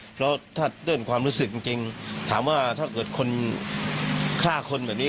เพราะถ้าเรื่องความรู้สึกจริงถามว่าถ้าเกิดคนฆ่าคนแบบนี้